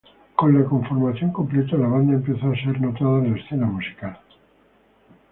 Con la conformación completa, la banda empezó a ser notada en la escena musical.